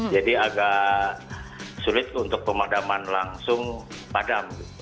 jadi agak sulit untuk pemadaman langsung padam